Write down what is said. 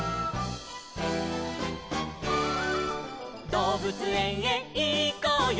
「どうぶつえんへいこうよ